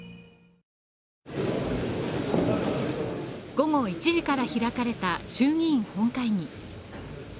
午後１時から開かれた衆議院本会議。